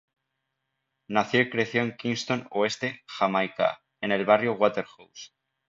Nació y creció en Kingston Oeste, Jamaica, en el barrio Waterhouse.